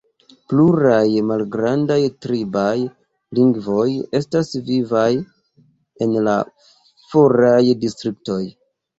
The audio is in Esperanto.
Pluraj malgrandaj tribaj lingvoj estas vivaj en la foraj distriktoj.